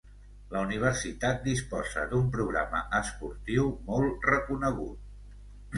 La universitat disposa d'un programa esportiu molt reconegut.